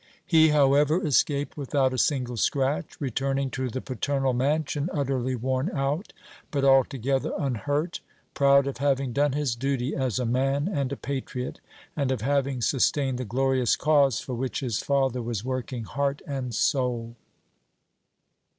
He, however, escaped without a single scratch, returning to the paternal mansion utterly worn out, but altogether unhurt, proud of having done his duty as a man and a patriot, and of having sustained the glorious cause for which his father was working heart and soul.